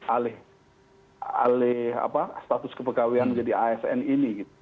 alih status kepegawaian menjadi asn ini